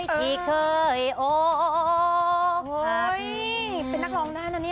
เป็นนักร้องนานอันนี้